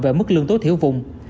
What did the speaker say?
về mức lương tố thiếu vùng